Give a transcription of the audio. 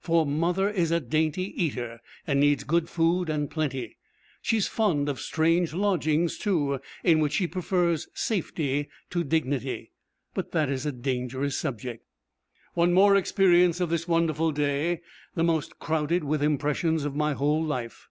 For 'Mother' is a dainty eater, and needs good food and plenty. She is fond of strange lodgings, too, in which she prefers safety to dignity. But that is a dangerous subject. One more experience of this wonderful day the most crowded with impressions of my whole life.